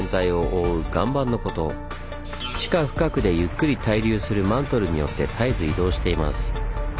地下深くでゆっくり対流するマントルによって絶えず移動しています。